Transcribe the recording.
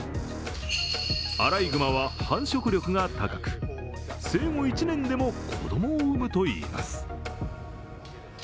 アライグマは繁殖力が高く生後１年でも子供を産むといいます。